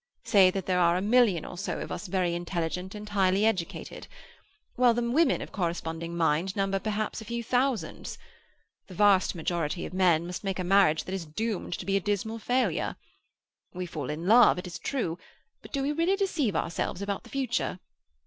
Say that there are a million or so of us very intelligent and highly educated. Well, the women of corresponding mind number perhaps a few thousands. The vast majority of men must make a marriage that is doomed to be a dismal failure. We fall in love it is true; but do we really deceive ourselves about the future?